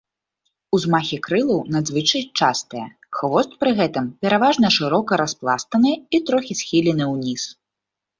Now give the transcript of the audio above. Узмахі крылаў надзвычай частыя, хвост пры гэтым пераважна шырока распластаны і трохі схілены ўніз.